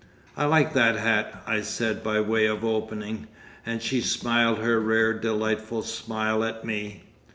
"I like that hat," I said by way of opening; and she smiled her rare delightful smile at me.